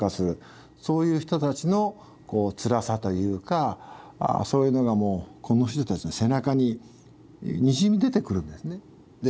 そういう人たちのこうつらさというかそういうのがもうこの人たちの背中ににじみ出てくるんですね。